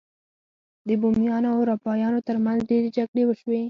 د بومیانو او اروپایانو ترمنځ ډیرې جګړې وشوې.